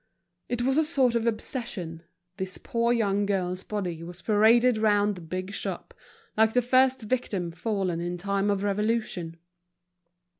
It was a sort of obsession; this poor young girl's body was paraded round the big shop like the first victim fallen in time of revolution.